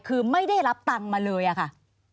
คือไม่ได้รับตังค์มาเลยอะค่ะ